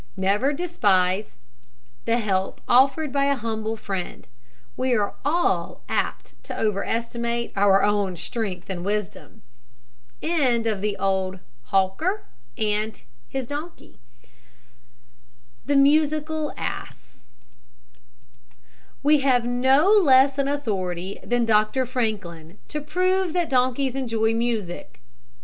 Never despise the help offered by a humble friend. We are all apt to over estimate our own strength and wisdom. THE MUSICAL ASS. We have no less an authority than Dr Franklin to prove that donkeys enjoy music.